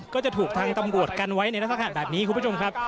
ก็จะถูกทางตำรวจกันไว้ในลักษณะแบบนี้คุณผู้ชมครับ